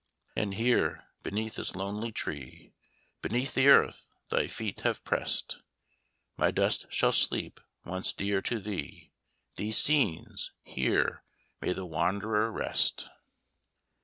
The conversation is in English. "And here, beneath this lonely tree Beneath the earth thy feet have press'd, My dust shall sleep once dear to thee These scenes here may the wanderer rest!"